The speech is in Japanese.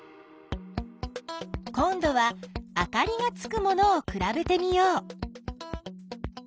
今どはあかりがつくものをくらべてみよう。